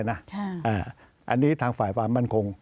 อันนี้ทางฝ่ามันคง